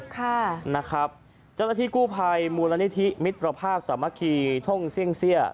ค่ะนะครับเจ้าหน้าที่กู้ภัยมูลนิธิมิตรภาพสามัคคีท่งเสี่ยงเสี้ย